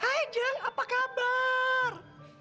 hai jeng apa kabar